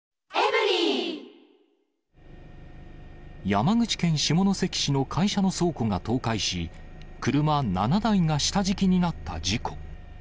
山口県下関市の会社の倉庫が倒壊し、車７台が下敷きになった事故。